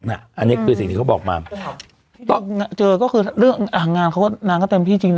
อันนี้คือสิ่งที่เขาบอกมาตอนเจอก็คือเรื่องงานเขาก็นางก็เต็มที่จริงนะ